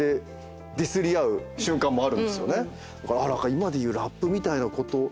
今でいうラップみたいなこと。